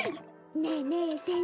ねえねえ先生。